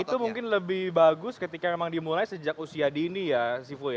itu mungkin lebih bagus ketika memang dimulai sejak usia dini ya sifu ya